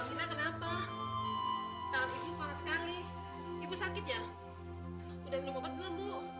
tau tidak kenapa tau ibu pangat sekali ibu sakit ya udah minum obat belum bu